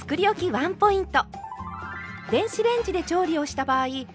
ワンポイント。